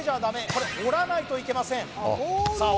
これ折らないといけませんさあ